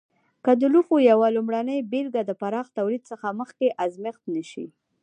که د لوښو یوه لومړنۍ بېلګه د پراخ تولید څخه مخکې ازمېښت نه شي.